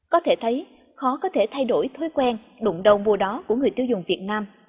có thể thấy khó có thể thay đổi thói quen đụng đầu mua đó của người tiêu dùng việt nam